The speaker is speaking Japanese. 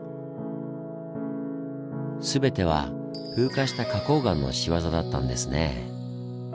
全ては風化した花崗岩の仕業だったんですねぇ。